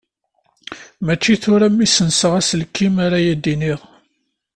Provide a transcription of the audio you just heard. Mačči tura mi ssenseɣ aselkim ara yi-d-tiniḍ.